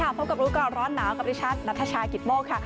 สวัสดีค่ะพบกับรู้กันร้อนหนาวกับดิฉันนัทชายกิดโม่ค่ะ